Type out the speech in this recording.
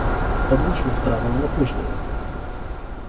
Odłóżmy sprawę na później